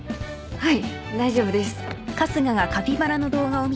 はい。